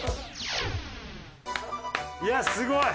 いやすごい！